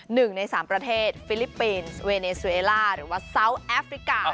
หนึ่งในสามประเทศฟิลิปปินส์เวเนซูเอล่าหรือว่าเซาทแอฟริกา